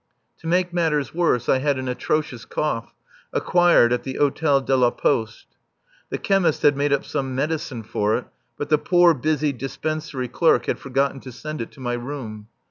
To make matters worse, I had an atrocious cough, acquired at the Hôtel de la Poste. The chemist had made up some medicine for it, but the poor busy dispensary clerk had forgotten to send it to my room.